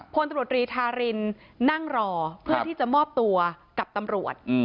พลตำรวจรีธารินนั่งรอเพื่อที่จะมอบตัวกับตำรวจ